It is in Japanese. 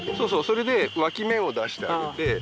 それで脇芽を出してあげて。